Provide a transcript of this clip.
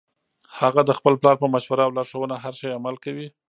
هغه د خپل پلار په مشوره او لارښوونه هر شي عمل کوي